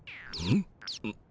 うん？